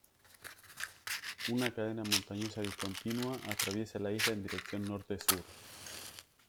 Una cadena montañosa discontinua atraviesa la isla en dirección norte-sur.